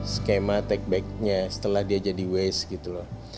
skema take backnya setelah dia jadi waste gitu loh